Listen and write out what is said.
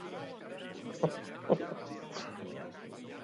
Itsasoa eta batez ere mendebal aldea oso kopetilun ikusi dut.